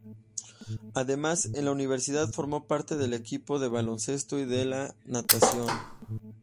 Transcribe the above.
Además, en la universidad formó parte del equipo de baloncesto y del de natación.